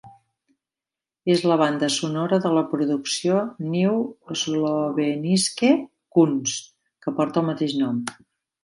És la banda sonora de la producció "Neue Slowenische Kunst" que porta el mateix nom.